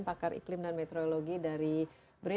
pakar iklim dan meteorologi dari brin